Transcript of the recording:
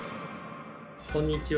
こんにちは。